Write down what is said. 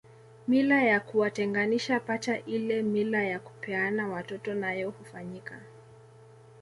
Mila ya kuwatenganisha pacha ile mila ya kupeana watoto nayo hufanyika